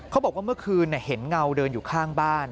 บอกว่าเมื่อคืนเห็นเงาเดินอยู่ข้างบ้าน